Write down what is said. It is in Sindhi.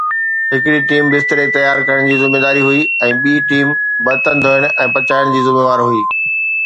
هڪڙي ٽيم بستري تيار ڪرڻ جي ذميداري هئي ۽ ٻي ٽيم برتن ڌوئڻ ۽ پچائڻ جي ذميوار هئي.